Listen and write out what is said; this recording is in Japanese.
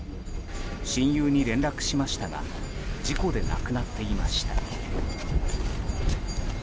親友に連絡しましたが事故で亡くなっていました。